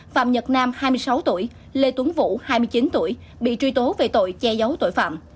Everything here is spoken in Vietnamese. phạm nhật nam hai mươi sáu tuổi lê tuấn vũ hai mươi chín tuổi bị truy tố về tội che giấu tội phạm